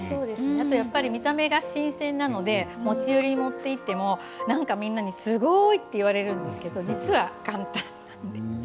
見た目が新鮮なので持ち寄りで持って行くとみんなにすごいって言われるんですが実は簡単。